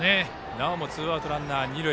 なおもツーアウトランナー、二塁。